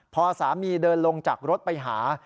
พอสามีเดินลงจากรถไปหา